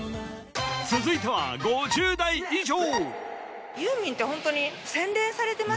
続いては５０代以上！